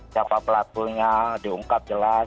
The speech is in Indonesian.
siapa pelakunya diungkap jelas